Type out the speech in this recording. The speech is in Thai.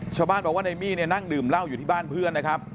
ชาวบ้านบอกว่าในมี่เนี่ยนั่งดื่มเหล้าอยู่ที่บ้านเพื่อนนะครับ